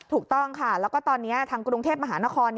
ถูกต้องค่ะแล้วก็ตอนนี้ทางกรุงเทพมหานคร